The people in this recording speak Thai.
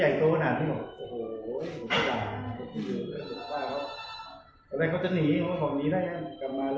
แค่ตอนที่เขาน้อยจากคืออะไรเราจะถามครับท่านว่า